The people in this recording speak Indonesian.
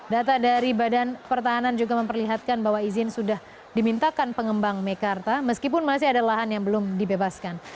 data dari badan pertahanan juga memperlihatkan bahwa izin sudah dimintakan pengembang mekarta meskipun masih ada lahan yang belum dibebaskan